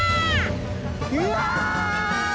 うわ！